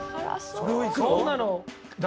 そんなの。